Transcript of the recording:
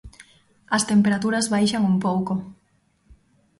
As temperaturas baixan un pouco.